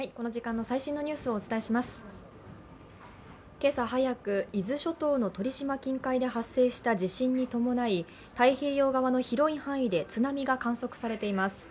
今朝早く、伊豆諸島の鳥島近海で発生した地震に伴い、太平洋側の広い範囲で津波が観測されています。